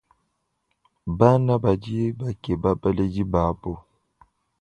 Bana badi bakeba baledi babo.